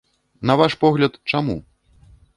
На ваш погляд, чаму?